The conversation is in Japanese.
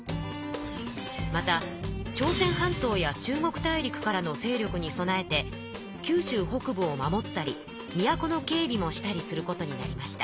また朝鮮半島や中国大陸からの勢力に備えて九州北部を守ったり都の警備もしたりすることになりました。